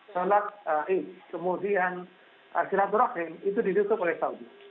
sholat i kemudian arsiratul rohim itu ditutup oleh saudi